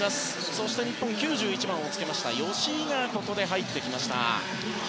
そして日本は９１番をつけました吉井がここで入ってきました。